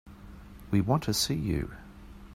We want to see you.